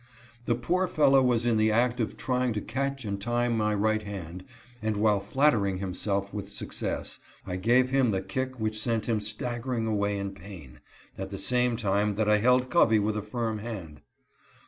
The poor fellow was in the act of trying to catch and tie my right hand, and while flat tering himself with success, I gave him the kick which sent him staggering away in pain, at the same time that I held Covey with a firm hand.